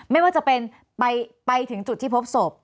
ไม่ว่าจะเป็นไปถึงจุดที่พบศพ